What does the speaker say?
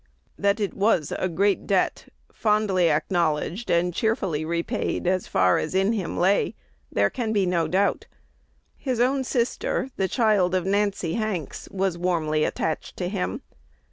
That it was a great debt, fondly acknowledged and cheerfully repaid as far as in him lay, there can be no doubt. His own sister, the child of Nancy Hanks, was warmly attached to him.